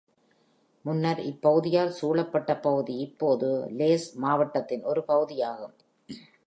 முன்னர் இப்பகுதியால் சூழப்பட்ட பகுதி, இப்போது Lacs மாவட்டத்தின் ஒரு பகுதியாகும்.